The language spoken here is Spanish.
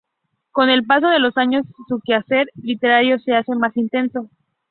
Con el paso de los años su quehacer literario se hace más intenso.